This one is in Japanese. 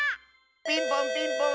ピンポンピンポーン！